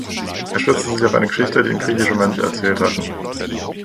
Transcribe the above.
Er stützte sich auf eine Geschichte, die ihm griechische Mönche erzählt hatten.